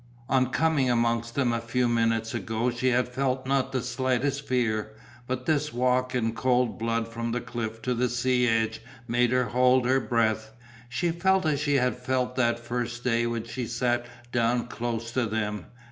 On coming amongst them a few minutes ago she had felt not the slightest fear, but this walk in cold blood from the cliff to the sea edge made her hold her breath. She felt as she had felt that first day when she sat down close to them.